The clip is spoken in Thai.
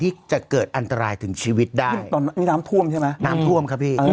ที่จะเกิดอันตรายถึงชีวิตได้ตอนนี้น้ำท่วมใช่ไหมน้ำท่วมครับพี่